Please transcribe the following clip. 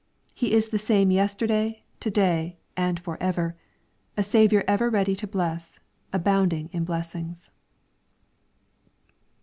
He is the same yesterday, to da}", and for ever,— a Saviour ever ready to bless, abounding in blessings.